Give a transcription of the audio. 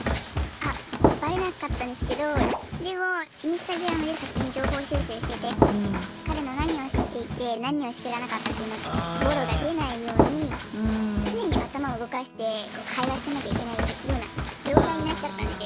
あバレなかったんですけどでもＩｎｓｔａｇｒａｍで先に情報収集してて彼の何を知っていて何を知らなかったっていうのをボロが出ないように常に頭を動かして会話してなきゃいけないような状態になっちゃったんですよ。